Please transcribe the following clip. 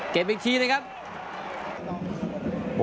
เก็บอีกทีเลยครับ